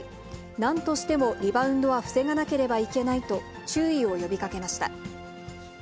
なんとしてもリバウンドは防がなければいけないと、注意を呼びかけました。